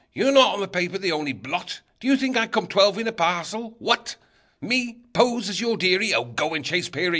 You're not on the paper the only blot! Do you think I come twelve in a parcel what? Me pose as your dearie? Oh, go and chase Peary!